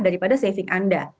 daripada saving anda